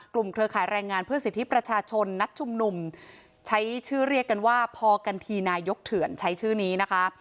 เครือข่ายแรงงานเพื่อสิทธิประชาชนนัดชุมนุมใช้ชื่อเรียกกันว่าพอกันทีนายกเถื่อนใช้ชื่อนี้นะคะ